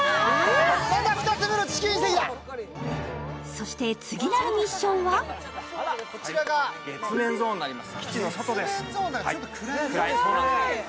そして、次なるミッションは月面ゾーンになります。